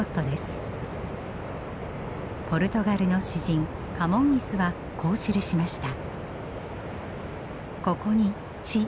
ポルトガルの詩人カモンイスはこう記しました。